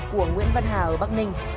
của nguyễn văn hà ở bắc ninh